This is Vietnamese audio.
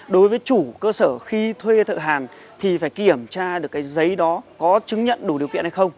đối với chủ cơ sở khi thuê thợ hàn thì phải kiểm tra được cái giấy đó có chứng nhận đủ điều kiện hay không